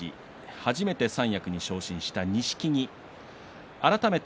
初めて三役に昇進した錦木改めて